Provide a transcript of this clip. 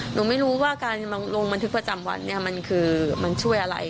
หนูไม่รู้ว่าการลงบันทึกประจำวันมันช่วยอะไร